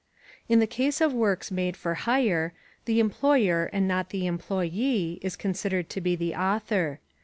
In the case of works made for hire, the employer and not the employee is considered to be the author.